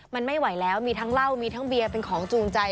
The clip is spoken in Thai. มันไม่ไหวแล้วมีทั้งเหล้ามีทั้งเบียร์เป็นของจูงใจ